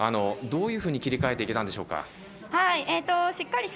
どういうふうに切り替えていけたんでしょうか。